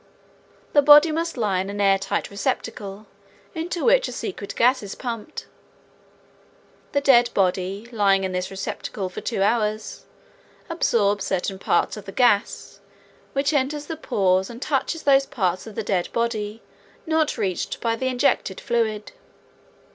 The body must lie in an air tight receptacle into which a secret gas is pumped. The dead body, lying in this receptacle for two hours, absorbs certain parts of the gas which enters the pores and touches those parts of the dead body not reached by the injected fluid.